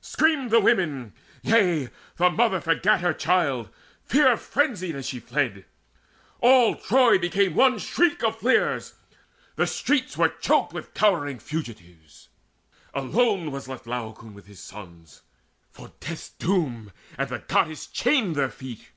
Screamed The women; yea, the mother forgat her child, Fear frenzied as she fled: all Troy became One shriek of fleers, one huddle of jostling limbs: The streets were choked with cowering fugitives. Alone was left Laocoon with his sons, For death's doom and the Goddess chained their feet.